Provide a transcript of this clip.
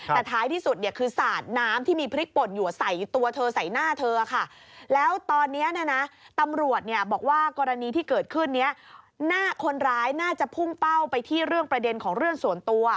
แต่ท้ายที่สุดเนี่ยคือสาดน้ำที่มีพริกป่นอยู่ใส่ตัวเธอใส่หน้าเธอค่ะ